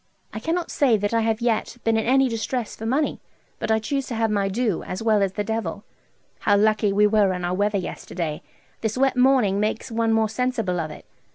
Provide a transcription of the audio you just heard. I cannot say that I have yet been in any distress for money, but I chuse to have my due, as well as the Devil. How lucky we were in our weather yesterday! This wet morning makes one more sensible of it.